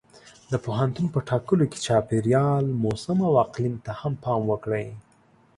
د پوهنتون په ټاکلو کې چاپېریال، موسم او اقلیم ته هم پام وکړئ.